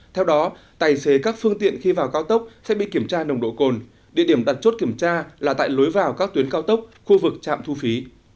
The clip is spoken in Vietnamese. theo đó tài xế các phương tiện khi vào cao tốc sẽ bị kiểm tra nồng độ cồn địa điểm đặt chốt kiểm tra là tại lối vào các tuyến cao tốc khu vực trạm thu phí